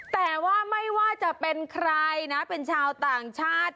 แต่ว่าไม่ว่าจะเป็นใครนะเป็นชาวต่างชาติ